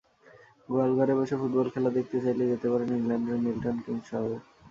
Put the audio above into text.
গোয়ালঘরে বসে ফুটবল খেলা দেখতে চাইলে যেতে পারেন ইংল্যান্ডের মিল্টন কিনস শহরে।